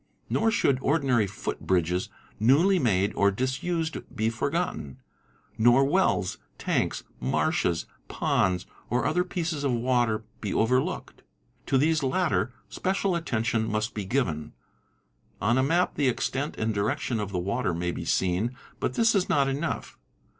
Nor should ordinary foot bridges newly made or disused be forgotten; nor wells, tanks, marshes, | ponds , or other pieces of water be overlooked. To these latter special al Ftion must be given. On a map the extent and direction of the water may be seen, but this is not enough.